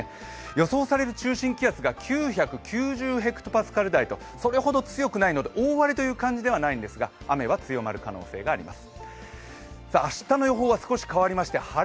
予想される中心気圧が９９０ｈＰａ台とそれほど強くないので、大荒れという感じではないんですが、雨は強まる可能性があります。